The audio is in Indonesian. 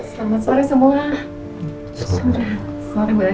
selamat sore semua